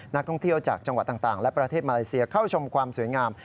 นักท่องเที่ยวจากจังหวัดต่างและประเทศมาเลเซียเข้าชมความสวยงาม